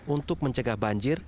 untuk mencegah banjir